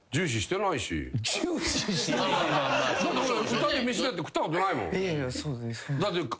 だって俺歌で飯なんて食ったことないもん。